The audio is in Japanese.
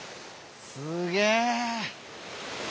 すげえ！